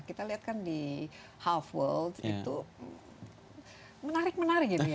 kita lihat kan di half world itu menarik menarik ini ya